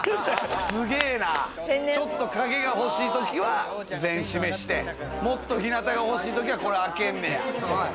ちょっと影が欲しいときは全閉めして、もっと日なたが欲しいときはこれ、開けんねや。